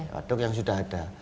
waduk yang sudah ada